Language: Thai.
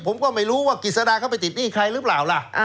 ผมก็ไม่รู้ว่ากิจสดาเขาไปติดหนี้ใครหรือเปล่าล่ะ